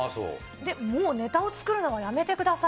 もうネタを作るのはやめてください。